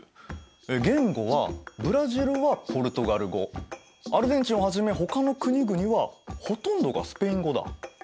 言語はブラジルはポルトガル語アルゼンチンをはじめほかの国々はほとんどがスペイン語だ。